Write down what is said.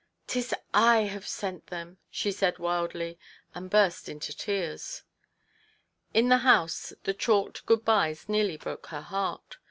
"'Tis I have sent them !" she said wildly, and burst into tears. In the house the chalked Good byes nearly broke her heart.